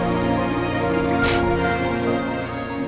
supaya dia menerima saya lagi